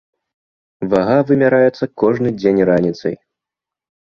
Вага вымяраецца кожны дзень раніцай.